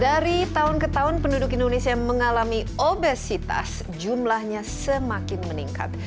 dari tahun ke tahun penduduk indonesia mengalami obesitas jumlahnya semakin meningkat